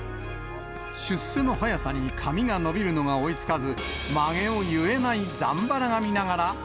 出世の早さに、髪が伸びるのが追いつかず、まげを結えないざんばら髪ながら。